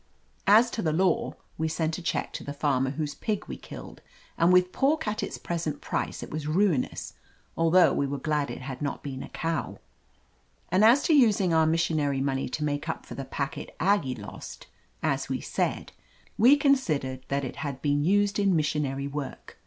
As to the law, we sent a check to the farmer whose pig we killed — ^and with pork at its present price it was ruinous, al though we were glad it had not been a cow; and as to using our missionary money to make up for the packet Aggie lost — as we said, we considered that it had T)een used in missionary work.